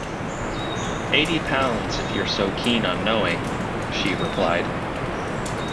“Eighty pounds, if you’re so keen on knowing,” she replied.